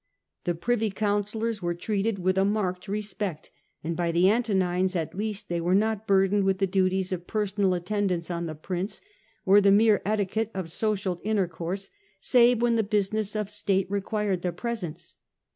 The Privy Councillors were treated with a marked respect, and by the Antonines at least they were not burdened with the duties of personal at tendance on the prince, or the mere etiquette of social intercourse, save when the business of state required their presence.